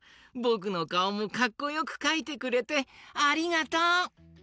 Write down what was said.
ぼくのかおもかっこよくかいてくれてありがとう！